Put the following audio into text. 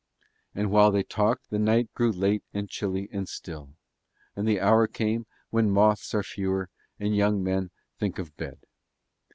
And while they talked the night grew late and chilly and still, and the hour came when moths are fewer and young men think of bed.